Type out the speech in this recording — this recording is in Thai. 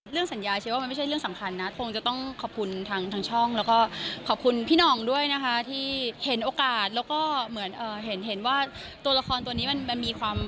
คือเป็นอะไรที่เราอยากร่วมงานด้วยอยู่แล้ว